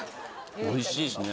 おいしいですね